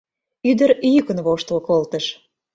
Ӱдыр йӱкын воштыл колтыш.